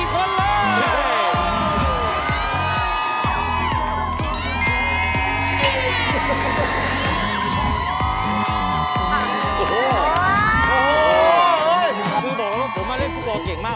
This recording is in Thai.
คุณบอกว่าผมมาเล่นฟูปอล์เก่งมาก